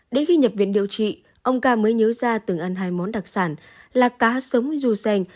đến khi nhập viện điều trị ông ca mới nhớ ra từng ăn hai món đặc sản là cá sống du sen